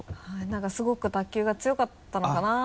何かすごく卓球が強かったのかなと。